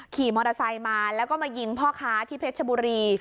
ขี่มอเตอร์ไซค์มาแล้วก็มายิงพ่อค้าที่เพชรชบุรี